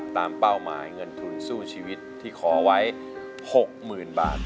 เป้าหมายเงินทุนสู้ชีวิตที่ขอไว้๖๐๐๐บาท